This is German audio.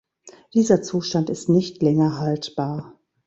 Dieser Zustand ist nicht länger haltbar.